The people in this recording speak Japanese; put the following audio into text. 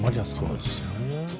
そうなんですよ。